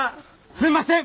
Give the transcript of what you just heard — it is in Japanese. すんません！